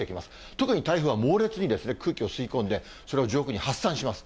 特に台風は猛烈に空気を吸い込んで、それを上空に発散します。